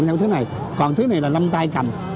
như thế này còn thứ này là lâm tay cầm